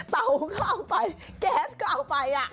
เตาก็เอาไปแก๊สก็เอาไป